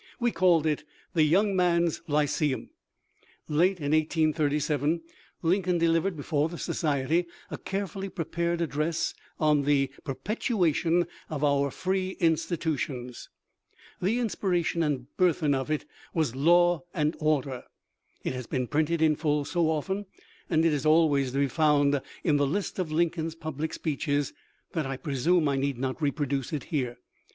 We called it the " Young Men's Lyceum." Late in 1837, Lincoln delivered before the society a carefully prepared address on the " Perpetuation of Our Free Institu tions." * The inspiration and burthen of it was law and order. It has been printed in full so often, and is always to be found in the list of Lincoln's public speeches, that I presume I need not reproduce it here.